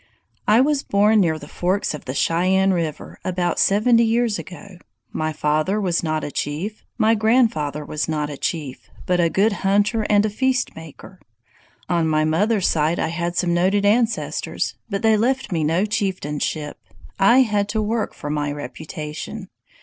"I was born near the forks of the Cheyenne River, about seventy years ago. My father was not a chief; my grandfather was not a chief, but a good hunter and a feast maker. On my mother's side I had some noted ancestors, but they left me no chieftainship. I had to work for my reputation.